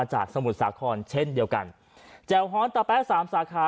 แจ่วฮ้อนตะแป๊๓สาขา